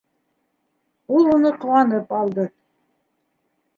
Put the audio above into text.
Ул уны ҡыуанып алды.